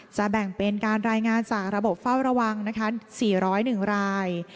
แบ่งเป็นการรายงานจากระบบเฝ้าระวัง๔๐๑ราย